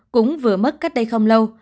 cũng vừa mất cách đây không lâu